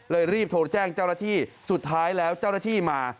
เลยรีบโทรแจ้งเจ้าราศิสุดท้ายแล้วเจ้าราศิมา